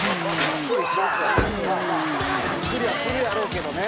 「ビックリはするやろうけどね」